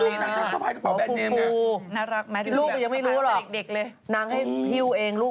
มีแล้วครับมีลูก